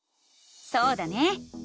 そうだね！